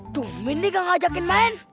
domen dia gak ngajakin main